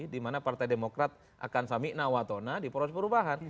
dimana partai demokrat akan samikna watona di poros perubahan